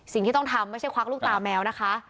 สิ่งที่ต้องทำไม่ใช่ควักลูกตาแมวนะคะ